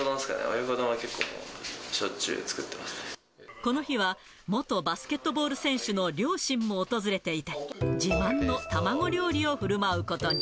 親子丼は結構、しょっちゅう作っこの日は、元バスケットボール選手の両親も訪れていて、自慢の卵料理をふるまうことに。